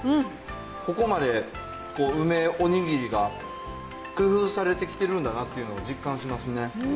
ここまで梅おにぎりが、工夫されてきてるんだなっていうのを実感しますね。